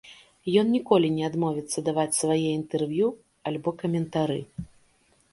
Ён ніколі не адмовіцца даваць свае інтэрв'ю альбо каментары.